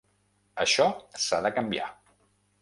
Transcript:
Això s’ha de canviar.